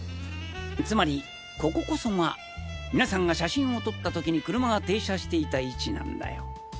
つまりココこそが皆さんが写真を撮った時に車が停車していた位置なんだよ。